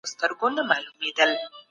د بل انسان شخصيت ته په سپکه سترګه مه ګورئ.